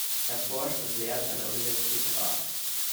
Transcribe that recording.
Er forscht und lehrt an der Universität Graz.